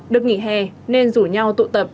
được nghỉ hè nên rủ nhau tụ tập